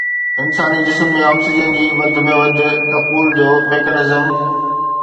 انساني جسم ۾ آڪسيجن جي وڌ ۾ وڌ دخول جو ميکانيزم